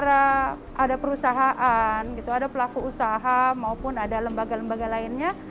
ada perusahaan ada pelaku usaha maupun ada lembaga lembaga lainnya